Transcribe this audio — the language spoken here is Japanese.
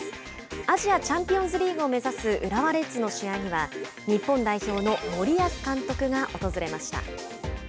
アジアチャンピオンズリーグ出場を目指す浦和レッズの試合には日本代表の森保監督が訪れました。